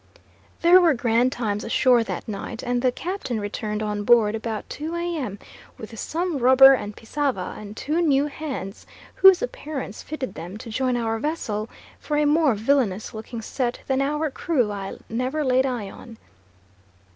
There were grand times ashore that night, and the captain returned on board about 2 A.M. with some rubber and pissava and two new hands whose appearance fitted them to join our vessel; for a more villainous looking set than our crew I never laid eye on.